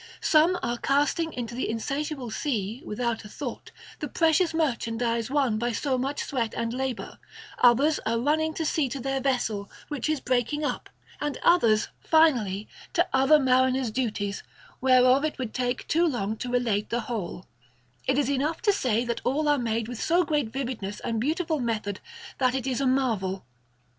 Some are casting into the insatiable sea, without a thought, the precious merchandize won by so much sweat and labour, others are running to see to their vessel, which is breaking up, and others, finally, to other mariners' duties, whereof it would take too long to relate the whole; it is enough to say that all are made with so great vividness and beautiful method that it is a marvel.